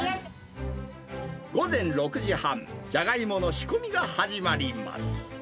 午前６時半、じゃがいもの仕込みが始まります。